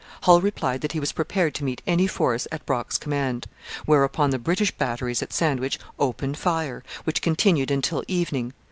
Hull replied that he was prepared to meet any force at Brock's command; whereupon the British batteries at Sandwich opened fire, which continued until evening.